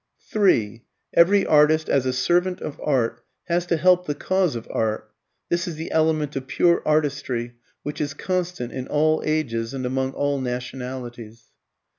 (3) Every artist, as a servant of art, has to help the cause of art (this is the element of pure artistry, which is constant in all ages and among all nationalities).